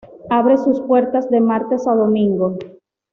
Abre sus puertas de martes a domingo.